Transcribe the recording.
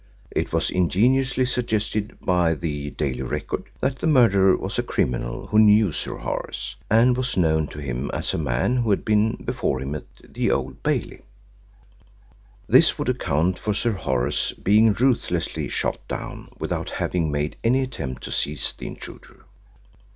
It was ingeniously suggested by the Daily Record that the murderer was a criminal who knew Sir Horace, and was known to him as a man who had been before him at Old Bailey. This would account for Sir Horace being ruthlessly shot down without having made any attempt to seize the intruder.